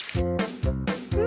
うん？